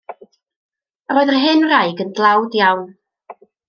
Yr oedd yr hen wraig yn dlawd iawn.